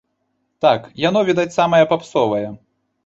Так, яно, відаць, самае папсовае!